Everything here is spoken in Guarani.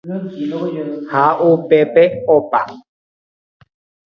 ha upépe opa